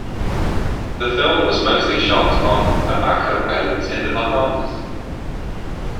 The film was mostly shot on Abaco Island in The Bahamas.